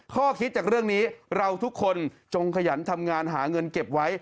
ข้อคิดจากเรื่องนี้เราทุกคนจงขยันทำงานหาเงินเก็บไว้